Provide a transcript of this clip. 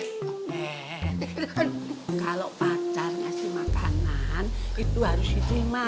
heheheh kalo pacar kasih makanan itu harus diterima